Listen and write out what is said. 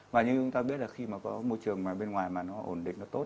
và như chúng ta biết là khi có môi trường bên ngoài ổn định và tốt